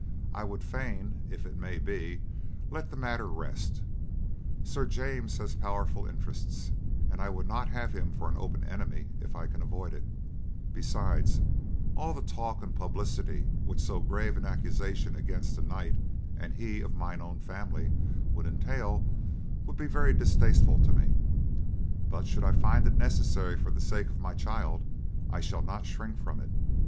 I would fain, if it may be, let the matter rest. Sir James has powerful interest, and I would not have him for an open enemy if I can avoid it; besides, all the talk and publicity which so grave an accusation against a knight, and he of mine own family, would entail, would be very distasteful to me; but should I find it necessary for the sake of my child, I shall not shrink from it.